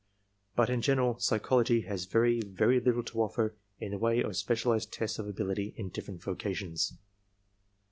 But in general, psychology has very, very little to oflfer in the way of specialized tests of ability in different vocations.